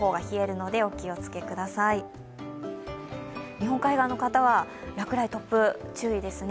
日本海側の方は落雷、突風、注意ですね。